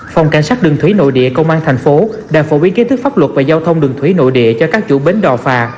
phòng cảnh sát đường thủy nội địa công an thành phố đã phổ biến kế thức pháp luật về giao thông đường thủy nội địa cho các chủ bến đò phà